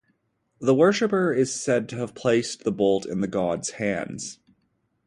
The worshiper is said to have placed the bolt in the god's hands.